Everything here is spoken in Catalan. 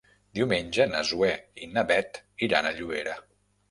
Diumenge na Zoè i na Bet iran a Llobera.